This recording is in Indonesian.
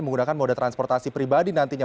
menggunakan moda transportasi pribadi nantinya